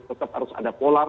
tetap harus ada polar